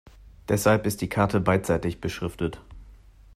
Deshalb ist die Karte beidseitig beschriftet.